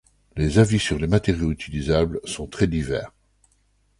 Les avis sur les matériaux utilisables sont très divers.